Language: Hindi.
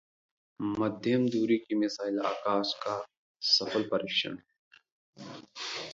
मध्यम दूरी की मिसाइल आकाश का सफल परीक्षण